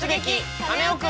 カネオくん」！